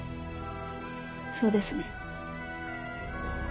そうですね。